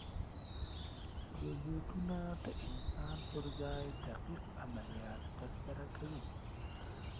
روبوټونه د انسان پر ځای دقیق عملیات ترسره کوي.